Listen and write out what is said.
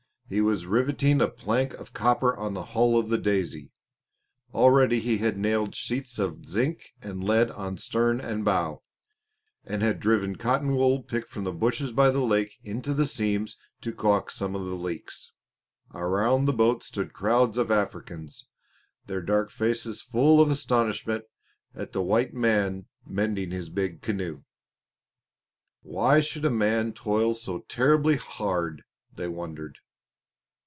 He was rivetting a plate of copper on the hull of the Daisy. Already he had nailed sheets of zinc and lead on stern and bow, and had driven cotton wool picked from the bushes by the lake into the seams to caulk some of the leaks. Around the boat stood crowds of Africans, their dark faces full of astonishment at the white man mending his big canoe. "Why should a man toil so terribly hard?" they wondered.